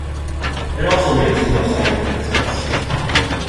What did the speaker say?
It also makes no scientific sense.